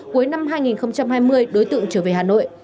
cuối năm hai nghìn hai mươi đối tượng trở về hà nội